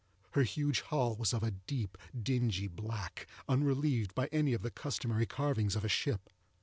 Her huge hull was of a deep dingy black, unrelieved by any of the customary carvings of a ship.